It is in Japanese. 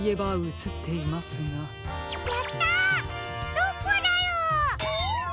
どこだろう？